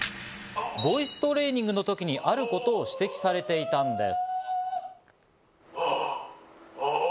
ボイストレーニングの時にあることを指摘されていたんです。